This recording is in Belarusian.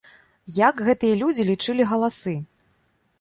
Як гэтыя людзі лічылі галасы?